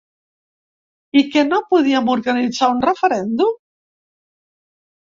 I que no podíem organitzar un referèndum?